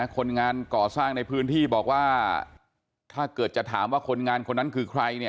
คนงานก่อสร้างในพื้นที่บอกว่าถ้าเกิดจะถามว่าคนงานคนนั้นคือใครเนี่ย